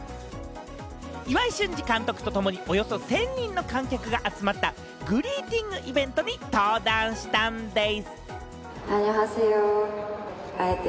岩井俊二監督とともに、およそ１０００人の観客が集まったグリーティングイベントに登壇したんでぃす！